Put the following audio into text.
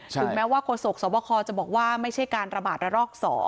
ถึงแม้ว่าโฆษกสวบคจะบอกว่าไม่ใช่การระบาดระลอก๒